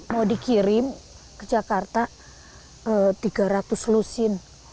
mau dikirim ke jakarta tiga ratus lusin